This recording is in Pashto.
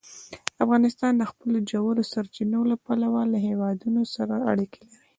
افغانستان د خپلو ژورو سرچینو له پلوه له هېوادونو سره اړیکې لري.